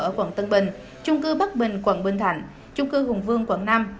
ở quận tân bình trung cư bắc bình quận bình thạnh trung cư hùng vương quận năm